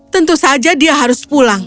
tentu saja dia harus pulang